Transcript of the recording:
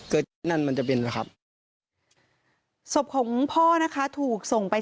เกิดนั่นมันจะเป็นแล้วครับสบของพ่อนะคะถูกส่งไป